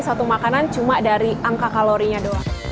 satu makanan cuma dari angka kalorinya doang